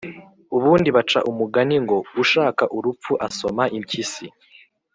ubundi baca umugani ngo “ushaka urupfu asoma impyisi”»